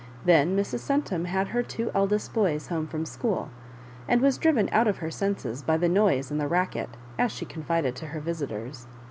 Then Mrs. Centum had her two eldest boys home from school, and was driven out of her senses by the noise and the racket, as she confided to her visitors.